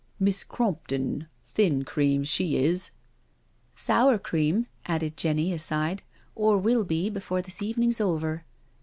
" Miss Crompton, thin cream she isl'* " Sour cream," added Jenny, aside, •* or will be before this evening's over."